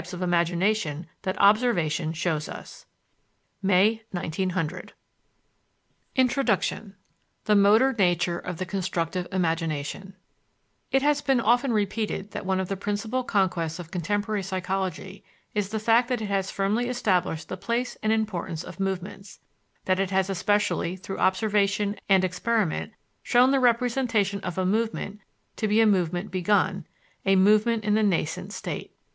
The imaginative type and association of ideas. 353 INTRODUCTION INTRODUCTION THE MOTOR NATURE OF THE CONSTRUCTIVE IMAGINATION I It has been often repeated that one of the principal conquests of contemporary psychology is the fact that it has firmly established the place and importance of movements; that it has especially through observation and experiment shown the representation of a movement to be a movement begun, a movement in the nascent state.